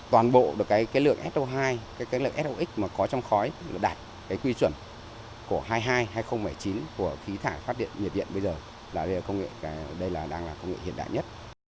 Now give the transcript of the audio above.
toàn bộ được cái lượng so hai cái lượng sox mà có trong khói đạt cái quy chuẩn của hai mươi hai hai nghìn bảy mươi chín của khí thải phát điện nhiệt điện bây giờ là công nghệ hiện đại nhất